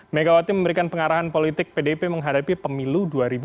megawati memberikan pengarahan politik pdip menghadapi pemilu dua ribu dua puluh